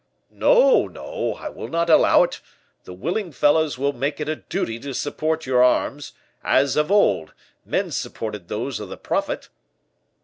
"'No, no, I will not allow it; the willing fellows will make it a duty to support your arms, as of old, men supported those of the prophet.